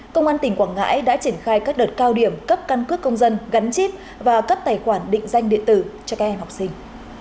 công an tỉnh quảng ngãi đã triển khai các đợt cao điểm cấp căn cước công dân gắn chip và cấp tài khoản định danh điện tử cho các em học sinh